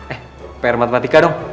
eh pr matematika dong